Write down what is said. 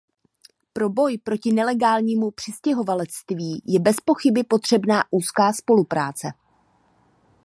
Pro boj proti nelegálnímu přistěhovalectví je bezpochyby potřebná úzká spolupráce.